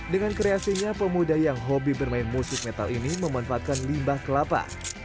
dengan kreasinya pemuda yang hobi bermain musik metal ini memanfaatkan limbah kelapa